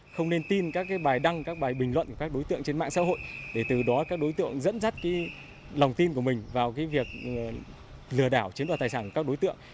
không nên tin các bài đăng các bài bình luận của các đối tượng trên mạng xã hội để từ đó các đối tượng dẫn dắt lòng tin của mình vào việc lừa đảo chiếm đoạt tài sản của các đối tượng